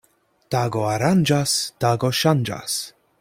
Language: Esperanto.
Tago aranĝas, tago ŝanĝas.